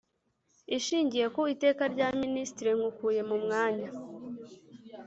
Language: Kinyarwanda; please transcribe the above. Ishingiye ku Iteka rya Ministiri nkukuye mumwanya